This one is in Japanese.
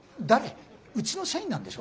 うちの社員なんでしょ？